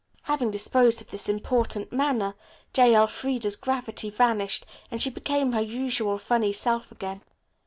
Having disposed of this important matter, J. Elfreda's gravity vanished and she became her usual funny self again.